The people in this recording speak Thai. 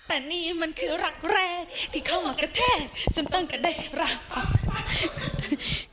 แต่นี่มันคือรักแรกที่เข้ามากระแทกจนต้องกระเด็งรับป๊อกป๊อกป๊อก